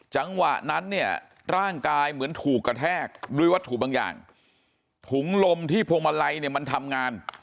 จังหวะนั้นเนี่ยร่างกายเหมือนถูกกระแทกด้วยวัตถุบางอย่าง